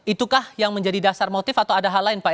itukah yang menjadi dasar motif atau ada hal lain pak